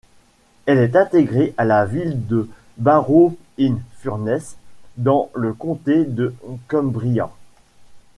Elle est intégrée à la ville de Barrow-in-Furness, dans le comté de Cumbria.